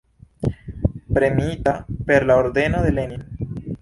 Premiita per la ordeno de Lenin.